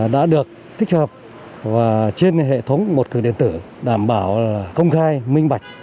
đã được thích hợp và trên hệ thống một cửa điện tử đảm bảo là công khai minh bạch